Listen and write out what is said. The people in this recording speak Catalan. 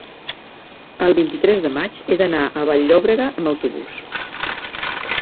el vint-i-tres de maig he d'anar a Vall-llobrega amb autobús.